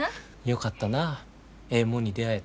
よかったなええ